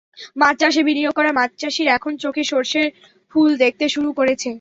মাছ চাষে বিনিয়োগ করা মাছচাষিরা এখন চোখে সরষের ফুল দেখতে শুরু করেছে।